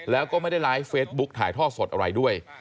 แล้วก็ไม่ได้ไลฟ์เฟซบุ๊กถ่ายทอดสดอะไรด้วย